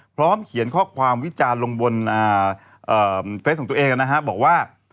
พร้อมเขียนข้อความวิจารณ์ลงบนเฟสของตัวเองนะฮะบอกว่า